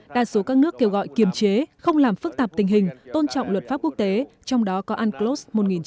đa số các nước kêu gọi kiềm chế không làm phức tạp tình hình tôn trọng luật pháp quốc tế trong đó có unclos một nghìn chín trăm tám mươi hai